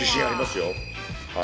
はい。